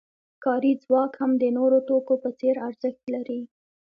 کاري ځواک هم د نورو توکو په څېر ارزښت لري